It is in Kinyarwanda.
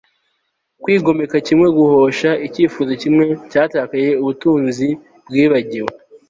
kwigomeka kimwe guhosha icyifuzo kimwe cyatakaye ubutunzi bwibagiwe